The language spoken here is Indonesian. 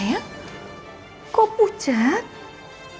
saya juga mau konsultir sama siapapun aprended